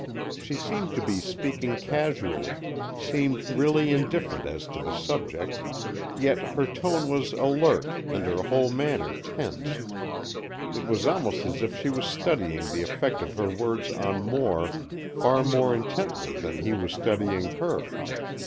She seemed to be speaking casually, seemed really indifferent as to the subject, yet her tone was alert and her whole manner tense. It was almost as if she was studying the effect of her words on Moore far more intently than he was studying her.